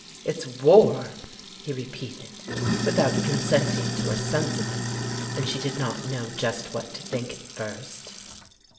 "It's war," he repeated, without consenting to her sense of it; and she did not know just what to think at first.